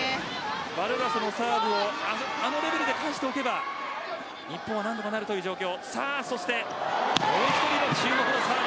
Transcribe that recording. バルガスのサーブをあのレベルで返しておけば日本は何とかなるという状況。